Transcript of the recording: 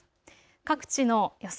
各地の予想